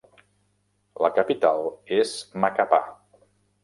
La capital és Macapá.